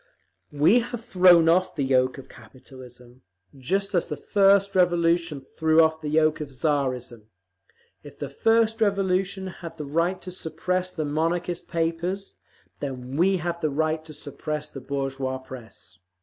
"We have thrown off the yoke of capitalism, just as the first revolution threw off the yoke of Tsarism. If the first revolution had the right to suppress the Monarchist papers, then we have the right to suppress the bourgeois press.